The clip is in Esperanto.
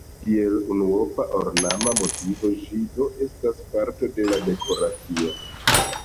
Kiel unuopa ornama motivo ĝi do estas parto de dekoracio.